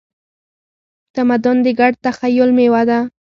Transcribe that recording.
تمدن د ګډ تخیل میوه ده.